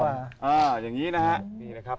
อ่าอย่างนี้นะครับ